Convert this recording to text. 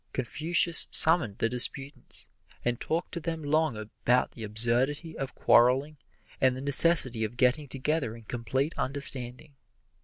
Confucius summoned the disputants and talked to them long about the absurdity of quarreling and the necessity of getting together in complete understanding.